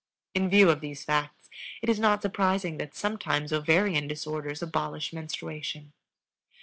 In view of these facts it is not surprising that sometimes ovarian disorders abolish menstruation.